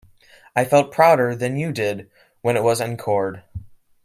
I felt prouder than you did when it was encored.